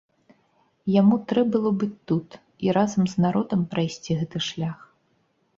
Яму трэ было быць тут, і разам з народам прайсці гэты шлях.